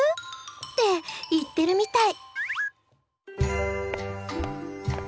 って言ってるみたい。